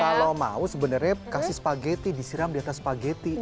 kalau mau sebenarnya kasih spaghetti disiram di atas spaghetti